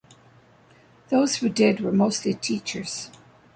Those who did were mostly teachers.